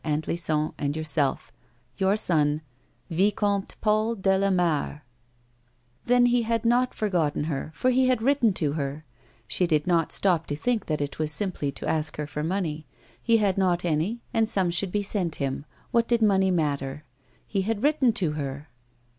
Aunt Lison and yourself, — Your son, "VicoMTE Paul de Lamare." Then he had not forgotten her, for he h.ad written to licr ! She did not stop to think that it was simply to ask her for money ; he had not any and some should be sent him ; what did money matter 1 Hu had written to her